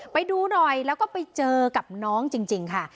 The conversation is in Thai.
ไปดูหน่อยแล้วก็ไปเจอกับน้องจริงค่ะ